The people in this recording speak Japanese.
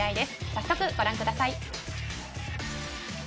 早速、ご覧ください。